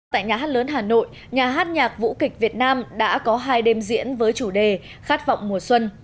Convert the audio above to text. tại nhà hát lớn hà nội nhà hát nhạc vũ kịch việt nam đã có hai đêm diễn với chủ đề khát vọng mùa xuân